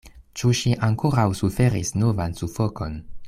Ĉu ŝi ankoraŭ suferis novan sufokon?